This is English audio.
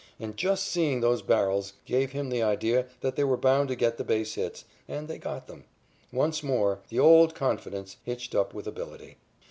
And just seeing those barrels gave them the idea that they were bound to get the base hits, and they got them. Once more, the old confidence, hitched up with ability.